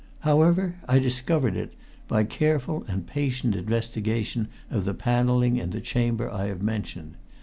However, I discovered it by careful and patient investigation of the panelling in the chamber I have mentioned.